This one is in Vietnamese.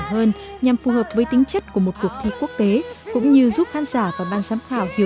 hơn nhằm phù hợp với tính chất của một cuộc thi quốc tế cũng như giúp khán giả và ban giám khảo hiểu